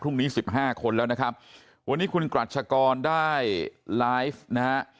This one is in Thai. สิบห้าคนแล้วนะครับวันนี้คุณกรัชกรได้ไลฟ์นะฮะ